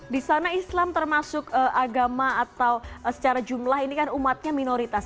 di sana islam termasuk agama atau secara jumlah ini kan umatnya minoritas